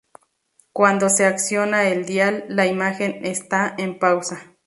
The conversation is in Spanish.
Cuando se acciona el dial, la imagen está en pausa.